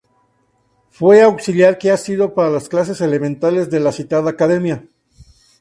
Fue auxiliar que ha sido para las clases elementales de la citada Academia.